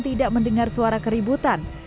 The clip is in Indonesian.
tidak mendengar suara keributan